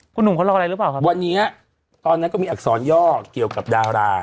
คุณหนุ่มเขารออะไรหรือเปล่าครับวันนี้ตอนนั้นก็มีอักษรย่อเกี่ยวกับดารา